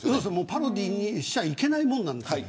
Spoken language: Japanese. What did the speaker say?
パロディーにしちゃいけないものですよ。